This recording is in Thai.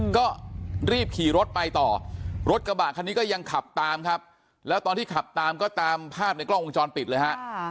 ก็รีบขี่รถไปต่อรถกระบะคันนี้ก็ยังขับตามครับแล้วตอนที่ขับตามก็ตามภาพในกล้องวงจรปิดเลยฮะ